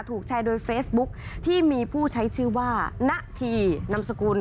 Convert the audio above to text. ถูกแชร์โดยเฟซบุ๊คที่มีผู้ใช้ชื่อว่าณธีนำสกุล